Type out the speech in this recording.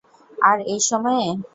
আর এই সময়ে?